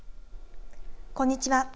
こんにちは。